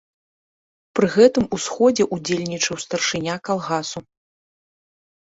Пры гэтым у сходзе ўдзельнічаў старшыня калгасу.